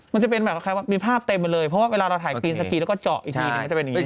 มันจะเป็นแบบใครว่ามีภาพเต็มไปเลยเพราะว่าเวลาเราถ่ายกรีนสกีแล้วก็เจาะอีกทีหนึ่งมันจะเป็นอย่างนี้